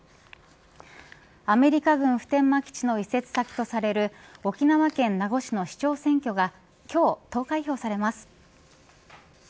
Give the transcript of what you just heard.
アメリカ軍普天間基地の移設先とされる沖縄県名護市の市長選挙が今日、投開票されます。